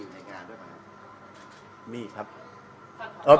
มีพิตตี้ในการด้วยป่ะครับ